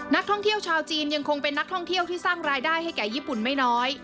นักท่องเที่ยวชาวจีนยังคงเป็นนักท่องเที่ยวที่สร้างรายได้ให้แก่ญี่ปุ่นไม่น้อย